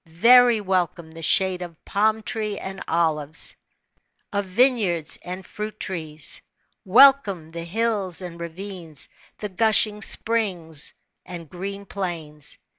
Very welcome the shade of paim tree and olives, of vineyards and fruit trees ; wel 32 THE GREAT SEA [B.C. 1445. come the 'hills and ravines, the gushing springs and green plains.